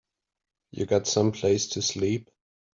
You got someplace to sleep?